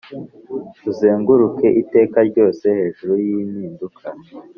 “uzenguruke iteka ryose hejuru y'impinduka.”